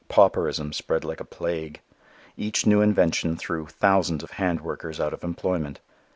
Pauperism spread like a plague. Each new invention threw thousands of hand workers out of employment.